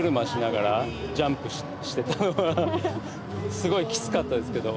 すごいキツかったですけど。